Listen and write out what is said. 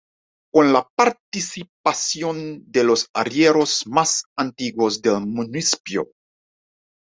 Con la participación de los arrieros más antiguos del municipio.